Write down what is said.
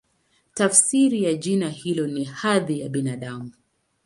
Tafsiri ya jina hilo ni "Hadhi ya Binadamu".